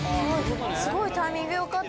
すごいタイミングよかった。